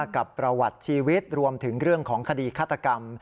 กับประวัติชีวิตรวมถึงเรื่องของคดีฆาตกรรม